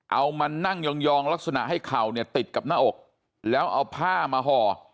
เอามานั่งยองลักษณะให้เข่าเนี่ยติดกับหน้าอกแล้วเอาผ้ามาห่อ